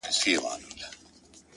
تا څه کول جانانه چي راغلی وې وه کور ته؛